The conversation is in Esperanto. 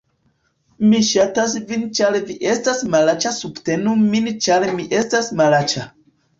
Mi ŝatas vin ĉar vi estas malaĉa subtenu min ĉar mi estas malaĉa